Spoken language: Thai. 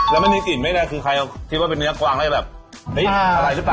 แล้วมันมีกลิ่นไม่ได้คือใครคิดว่าเป็นเนื้อกวางให้แบบเฮ้ยอะไรหรือเปล่า